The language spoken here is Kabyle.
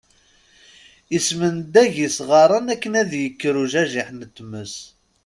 Ismendaga isɣaren akken ad ikker ujajiḥ n tmes.